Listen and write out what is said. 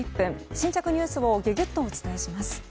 新着ニュースをギュギュッとお伝えします。